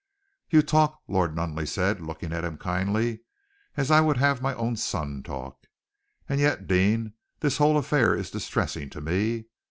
"You talk," Lord Nunneley said, looking at him kindly, "as I would have my own son talk. And yet, Deane, this whole affair is distressing to me.